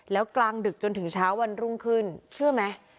แล้วกลางดึกจนถึงเช้าวันรุ่งขึ้นเชื่อไหม